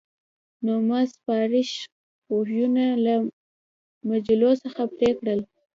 نو ما شپاړس غوږونه له مجلو څخه پرې کړل